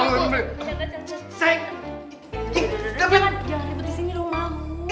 jangan dipet disini dong